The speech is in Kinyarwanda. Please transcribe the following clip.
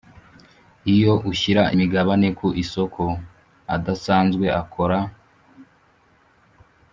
Iyo ushyira imigabane ku isoko adasanzwe akora